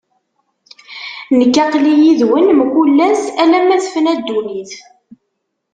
Nekk, aql-i yid-wen mkul ass, alamma tefna ddunit.